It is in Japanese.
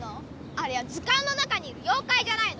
あれは図かんの中にいるようかいじゃないの！